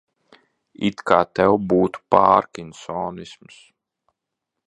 It kā tev būtu pārkinsonisms.